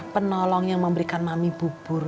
penolong yang memberikan mami bubur